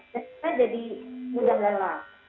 desain jadi mudah lelah